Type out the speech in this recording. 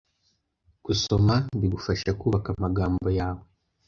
Gusoma bigufasha kubaka amagambo yawe.